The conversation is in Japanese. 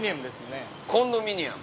コンドミニアム？